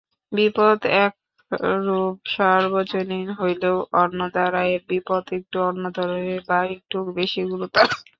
বিপদ একরূপ সর্বজনীন হইলেও অন্নদা রায়ের বিপদ একটু অন্য ধরনের বা একটু বেশি গুরুতর।